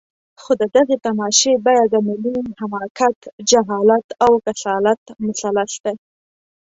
خو د دغې تماشې بیه د ملي حماقت، جهالت او کسالت مثلث دی.